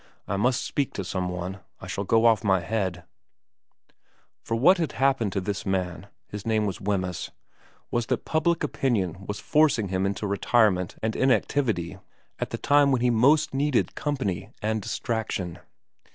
I must speak to some one. I shall go off my head For what had happened to this man his name was Wemyss was that public opinion was forcing him into retirement and inactivity at the very time when he most needed company and distraction.